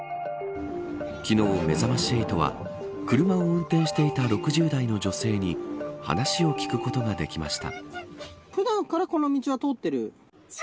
昨日、めざまし８は車を運転していた６０代の女性に話を聞くことができました。